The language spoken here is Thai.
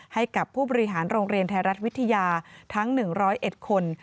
ให้กับผู้บริหารโรงเรียนไทยรัฐวิทยาทั้ง๑๐๑คน